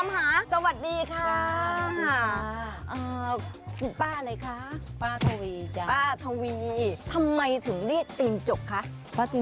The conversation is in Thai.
เป็นเอกลักษณ์ของที่นี่